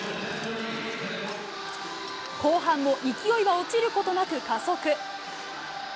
後半も勢いは落ちることなく加速。